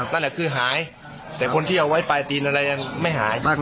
นั่นแหละคือหายแต่คนที่เอาไว้ปลายตีนอะไรยังไม่หาย